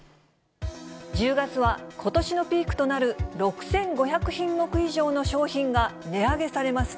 １０月はことしのピークとなる、６５００品目以上の商品が値上げされます。